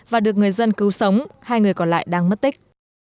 và được người dân cứu sống hai người còn lại đang mất tích